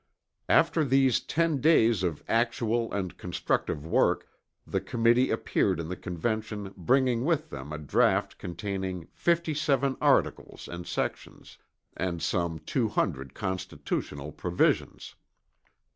After these ten days of actual and constructive work the Committee appeared in the Convention bringing with them a draught containing fifty seven articles and sections, and some 200 constitutional provisions.